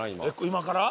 今から？